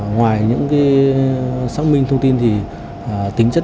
ngoài những xác minh thông tin thì tính chất